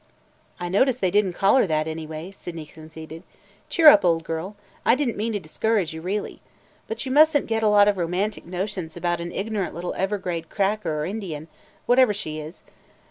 "I notice they did n't call her that, anyway," Sydney conceded. "Cheer up, old girl! I did n't mean to discourage you, really. But you must n't get a lot of romantic notions about an ignorant little Everglade cracker or Indian – or whatever she is!